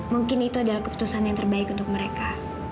mungkin itu adalah keputusan yang terbaik untuk mereka